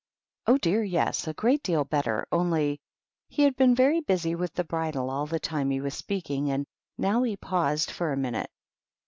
" Oh, dear, yes ! a great deal better, only " He had been very busy with the bridle all the time he was speaking, and now he paused for a minute.